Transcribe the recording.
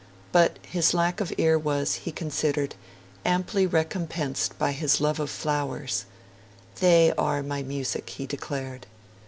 But his lack of ear was, he considered, amply recompensed by his love of flowers: 'they are my music,' he declared.